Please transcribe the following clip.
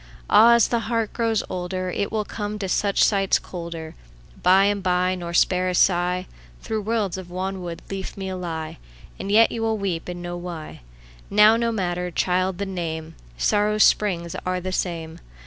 Áh! ás the heart grows olderIt will come to such sights colderBy and by, nor spare a sighThough worlds of wanwood leafmeal lie; And yet you wíll weep and know why. Now no matter, child, the name:Sórrow's spríngs áre the same.